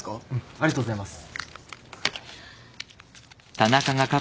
ありがとうございます。